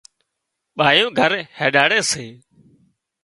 ٻايُون گھر هينڏاڙي سي